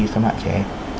xâm hại trẻ